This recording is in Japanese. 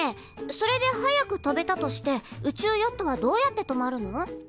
それで速く飛べたとして宇宙ヨットはどうやって止まるの？